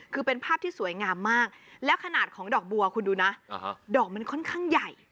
คือเป็นภาพที่สวยงามมากแล้วขนาดของดอกบัวคุณดูนะดอกมันค่อนข้างใหญ่